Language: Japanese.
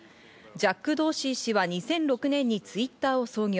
ジャック・ドーシー氏は２００６年にＴｗｉｔｔｅｒを創業。